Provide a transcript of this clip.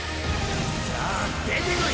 さあ出てこい